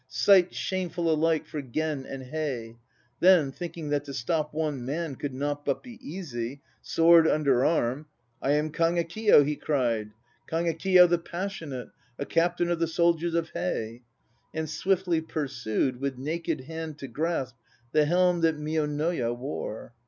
Sight shameful alike for Gen and Hei. Then, thinking that to stop one man Could not but be easy, Sword under arm, "I am Kagekiyo," he cried, "Kagekiyo the Passionate, a captain of the soldiers of Hei." And swiftly pursued, with naked hand to grasp The helm that Mionoya wore.